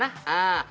ああ」